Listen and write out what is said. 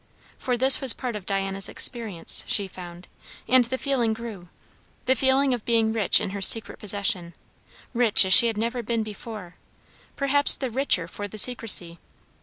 For this was part of Diana's experience, she found; and the feeling grew, the feeling of being rich in her secret possession; rich as she never had been before; perhaps the richer for the secresy.